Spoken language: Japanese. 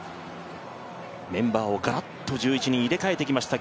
メンバーをがらっと１１人入れ替えてきました